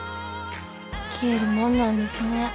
消えるもんなんですね。